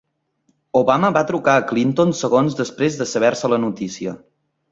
Obama va trucar a Clinton segons després de saber-se la notícia